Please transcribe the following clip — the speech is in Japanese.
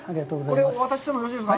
これをお渡ししてもよろしいですか。